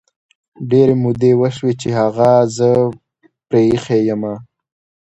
ډیري مودې وشوی چې هغه زه پری ایښي یمه